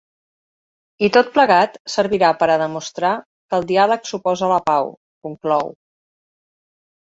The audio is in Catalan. I tot plegat servirà per a demostrar que el diàleg suposa la pau, conclou.